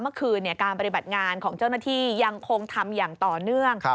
เมื่อคืนการปฏิบัติงานของเจ้าหน้าที่ยังคงทำอย่างต่อเนื่อง